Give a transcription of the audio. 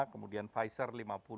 kemudian pfizer lima puluh